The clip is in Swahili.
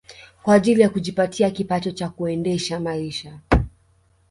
Kwa ajili ya kujipatia kipato cha kuendesha maisha